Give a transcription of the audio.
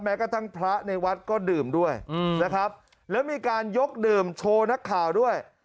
กระทั่งพระในวัดก็ดื่มด้วยนะครับแล้วมีการยกดื่มโชว์นักข่าวด้วย